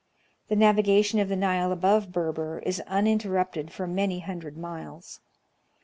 The navigation of the Nile above Berber is uninterrupted for many hundred miles.